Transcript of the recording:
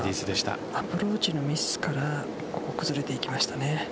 今日はアプローチのミスから崩れていきましたね。